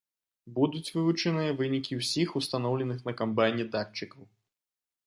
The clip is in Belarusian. Будуць вывучаныя вынікі ўсіх устаноўленых на камбайне датчыкаў.